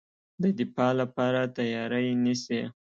د دفاع لپاره تیاری نیسي.